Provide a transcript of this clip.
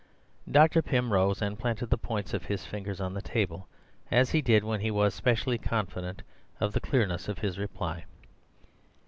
Dr. Pym rose and planted the points of his fingers on the table, as he did when he was specially confident of the clearness of his reply.